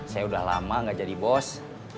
saya udah lama gak jadi bos